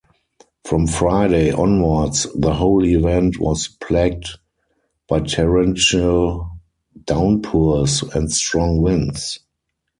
From Friday onwards the whole event was plagued by torrential downpours and strong winds.